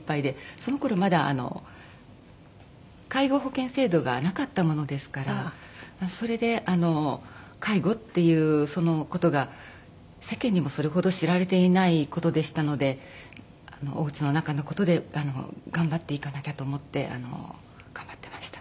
その頃まだあの介護保険制度がなかったものですからそれで介護っていうその事が世間にもそれほど知られていない事でしたのでおうちの中の事で頑張っていかなきゃと思って頑張ってました。